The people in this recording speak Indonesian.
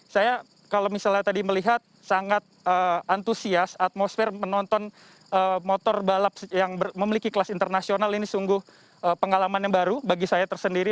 saya kalau misalnya tadi melihat sangat antusias atmosfer menonton motor balap yang memiliki kelas internasional ini sungguh pengalaman yang baru bagi saya tersendiri